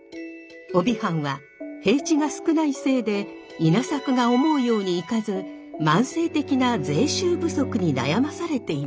飫肥藩は平地が少ないせいで稲作が思うようにいかず慢性的な税収不足に悩まされていました。